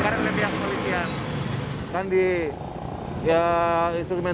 kalau agak lebih pihak kepolisian